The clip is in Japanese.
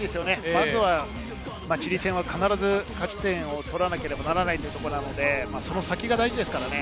まずはチリ戦、必ず勝ち点を取らなければならないので、その先が大事ですからね。